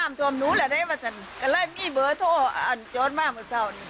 ยายอยู่ห้านกรียบถวมยังหน่อยนิดเดียว